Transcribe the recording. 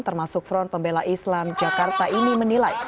termasuk front pembela islam jakarta ini menilai